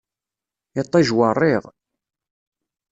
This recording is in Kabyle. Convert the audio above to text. Iṭij werriɣ.